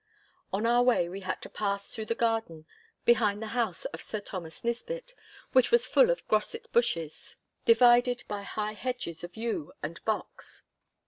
On our way we had to pass through the garden behind the house of Sir Thomas Nisbett, which was full of groset bushes, divided by high hedges of yew and box.